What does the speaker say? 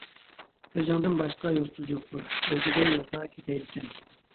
كۆزۈڭدىن باشقا يۇلتۇز يوقتۇر، ئۆزگە يولدا كېتەي دېسەم.